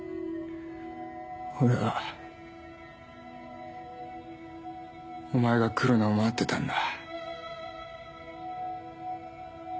俺はお前が来るのを待ってたんだ。